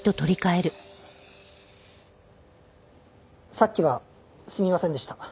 さっきはすみませんでした。